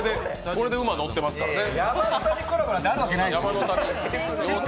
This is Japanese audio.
これで馬乗ってますからね。